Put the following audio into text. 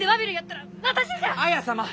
綾様！